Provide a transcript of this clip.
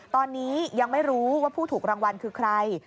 ตอนนี้ยังไม่รู้ว่าผู้ถูกรางวัลคือใคร